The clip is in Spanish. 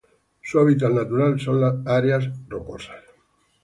Se hábitat natural son las áreas rocosas.